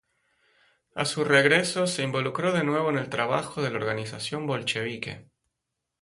A su regreso se involucró de nuevo en el trabajo de la organización bolchevique.